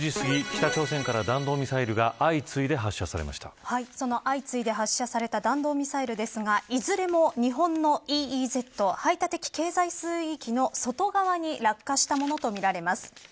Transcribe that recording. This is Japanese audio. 北朝鮮から弾道ミサイルが相次いで発射された弾道ミサイルですがいずれも日本のＥＥＺ排他的経済水域の外側に落下したものとみられます。